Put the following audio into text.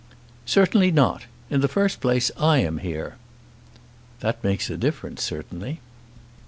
"Certainly not. In the first place, I am here." "That makes a difference, certainly."